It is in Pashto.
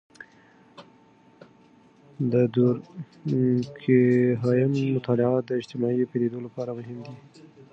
د دورکهايم مطالعات د اجتماعي پدیدو لپاره مهم دي.